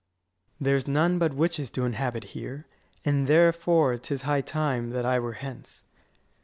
S._ There's none but witches do inhabit here; And therefore 'tis high time that I were hence.